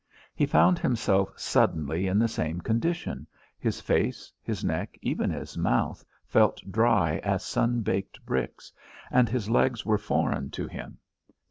He found himself suddenly in the same condition, His face, his neck, even his mouth, felt dry as sun baked bricks, and his legs were foreign to him.